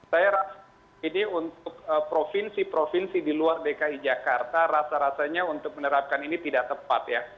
saya rasa ini untuk provinsi provinsi di luar dki jakarta rasa rasanya untuk menerapkan ini tidak tepat ya